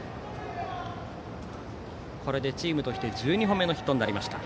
これでチームとして１２本目のヒットになりました。